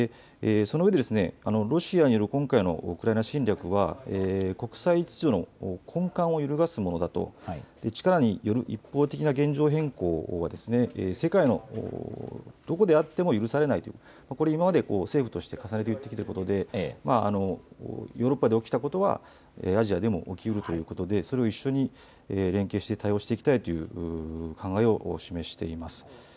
そのうえでロシアによる今回のウクライナ侵略は国際秩序の根幹を揺るがすものだと、力による一方的な現状変更は世界のどこであっても許されないと、これ、今まで政府として重ねて言ってきたことでヨーロッパで起きたことはアジアでも起きうるということでそれを一緒に連携して対応していきたいという考えを示しています。